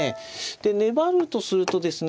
で粘るとするとですね